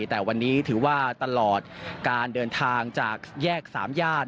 แต่วันนี้ถือว่าตลอดการเดินทางจากแยกสามญาติ